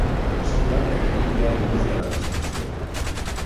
Sembla que aquí hi ha el nus de la discussió.